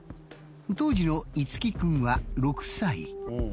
当時の樹君は６歳。